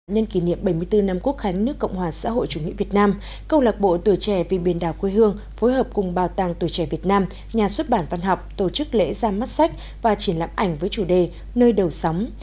nhân kỷ niệm bảy mươi bốn năm quốc khánh nước cộng hòa xã hội chủ nghĩa việt nam câu lạc bộ tuổi trẻ vì biển đảo quê hương phối hợp cùng bảo tàng tuổi trẻ việt nam nhà xuất bản văn học tổ chức lễ ra mắt sách và triển lãm ảnh với chủ đề nơi đầu sóng